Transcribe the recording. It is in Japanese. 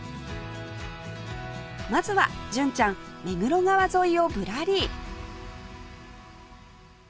まずは純ちゃん目黒川沿いをぶらり